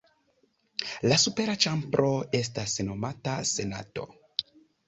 La supera ĉambro estas nomata Senato.